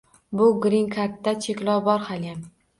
Bu «Grin kard»da cheklov bor haliyam